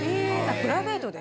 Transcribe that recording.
プライベートで？